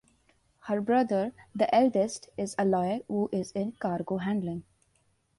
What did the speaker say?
Her brother, the eldest, is a lawyer, who is in cargo handling.